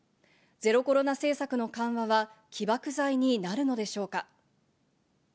ゼロコロナ政策の緩和は起爆剤になるのでしょうか。